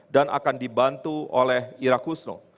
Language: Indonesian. dan akan dibantu oleh ira kusno